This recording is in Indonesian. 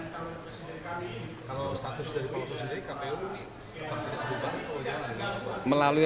kalau status dari pak uso sendiri kpu tetap berubah